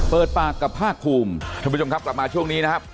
เปิดปากกับภาคภูมิท่านผู้ชมครับกลับมาช่วงนี้นะครับ